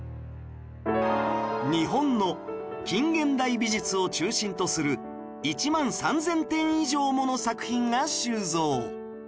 日本の近現代美術を中心とする１万３０００点以上もの作品が収蔵